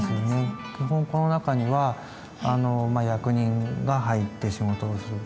基本この中には役人が入って仕事をする。